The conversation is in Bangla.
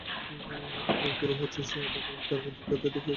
গুরু হচ্ছেন সেই আধার, যাঁর মধ্য দিয়ে আধ্যাত্মিক শক্তি তোমার কাছে পৌঁছয়।